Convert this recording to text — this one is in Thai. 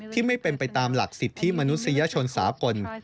ไม่เป็นไปตามหลักสิทธิมนุษยชนสากล